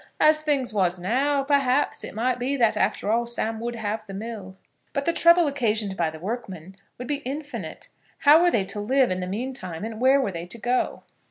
As things was now, perhaps, it might be that after all Sam would have the mill." But the trouble occasioned by the workmen would be infinite. How were they to live in the mean time, and where were they to go?